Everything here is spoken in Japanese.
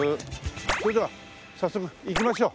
それでは早速行きましょう。